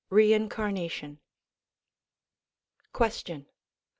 LXXX REINCARNATION Question.